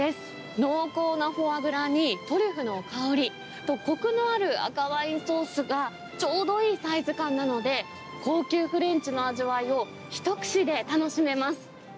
濃厚なフォアグラに、トリュフの香りと、コクのある赤ワインソースがちょうどいいサイズ感なので、高級フレンチの味わいを、一串で楽しめます。